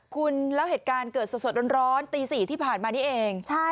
คุณแล้วเหตุการณ์เกิดสดสดร้อนร้อนตีสี่ที่ผ่านมานี่เองใช่ค่ะ